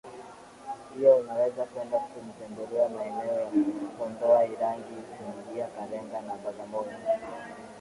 Pia unaweza kwenda kutembelea maeneo ya Kondoa irangi Isimila Kalenga na Bagamoyo